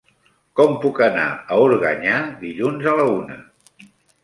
Com puc anar a Organyà dilluns a la una?